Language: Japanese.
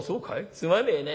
すまねえね。